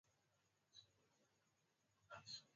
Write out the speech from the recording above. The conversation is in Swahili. Changanya viazi vilivyopondwa kwenye bakuli au sufuria